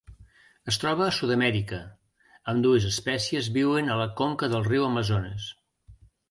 Es troba a Sud-amèrica: ambdues espècies viuen a la conca del riu Amazones.